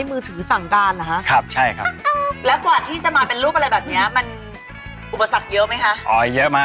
๔เครื่องด้วยก็ไม่เวิร์คเลยเหรอ